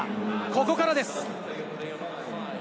ここからです。